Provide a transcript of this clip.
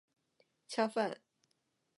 恰饭